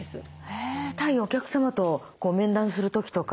へえ対お客様と面談する時とか。